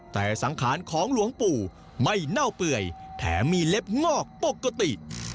แต่สังขารของหลวงปู่ไม่เน่าเปื่อยแถมมีเล็บงอกปกติ